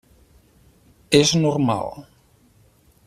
És normal.